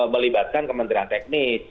melibatkan kementerian teknis